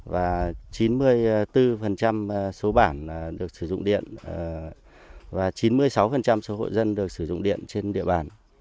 và chín mươi bốn số bản được sử dụng điện và chín mươi sáu số hộ dân được sử dụng điện trên địa bàn